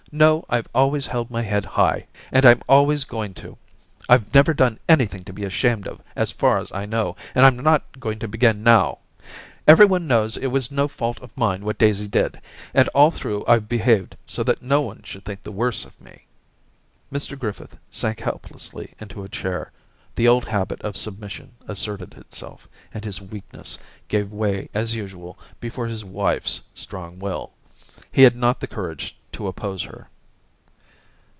No, I've always held my head high, and I'm always going to. I've never done anything to be ashamed of as far as I know, and I'm not going to begin now. Everyone knows it was no fault of Daisy 239 mine what Daisy did, and all through I've behaved so that no one should think the worse of me.* Mr Griffith sank helplessly into a chair, the old habit of submission asserted itself, and his weakness gave way as usual before his wife's strong will. He had not the courage to oppose her.